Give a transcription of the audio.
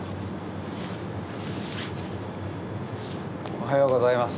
おはようございます。